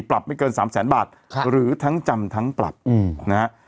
ปรับไม่เกิน๓แสนบาทหรือทั้งจำทั้งปรับนะฮะ